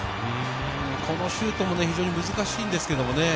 このシュートも非常に難しいんですけどね。